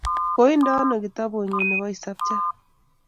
Koinde ano kitabut nyu nepo Isapchat?